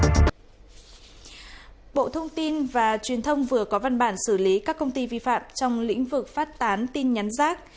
bộ thông tin và truyền thông vừa có văn bản xử lý các công ty vi phạm trong lĩnh vực phát tán tin nhắn rác